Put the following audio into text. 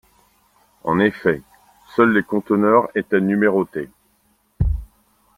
En effet, seuls les conteneurs étaient numérotés.